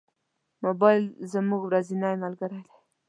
موبایل زموږ ورځنی ملګری دی.